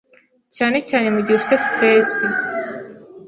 cyane cyane mu gihe ufite stress